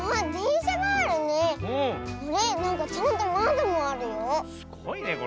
すごいねこれ。